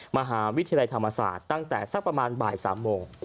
มหาวิทยาลัยธรรมศาสตร์ตั้งแต่สักประมาณบ่าย๓โมง